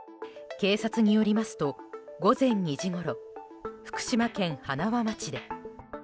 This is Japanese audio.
警察によりますと午前２時ごろ、福島県塙町で。